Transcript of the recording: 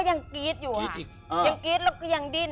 ยังกรี๊ดแล้วก็ยังดิ้น